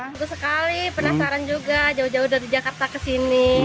bagus sekali penasaran juga jauh jauh dari jakarta ke sini